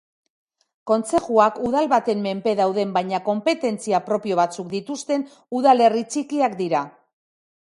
Kontzejuak udal baten menpe dauden baina konpetentzia propio batzuk dituzten udalerri txikiak dira.